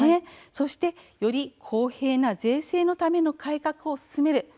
そうして、より公平な税制のための改革を進める